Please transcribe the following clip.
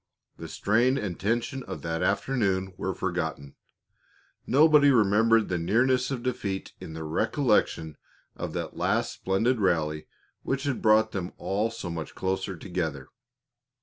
The strain and tension of the afternoon were forgotten; nobody remembered the nearness of defeat in the recollection of that last splendid rally which had brought them all so much closer together.